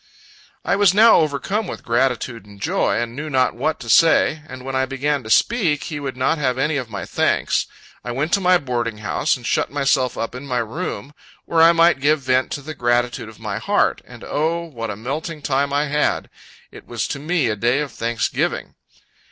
I was now overcome with gratitude and joy, and knew not what to say; and when I began to speak, he would not have any of my thanks. I went to my boarding house, and shut myself up in my room, where I might give vent to the gratitude of my heart: and, O, what a melting time I had! It was to me a day of thanksgiving.